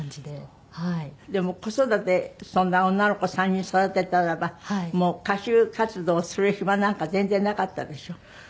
でも子育てそんな女の子３人育てたらばもう歌手活動する暇なんか全然なかったでしょ？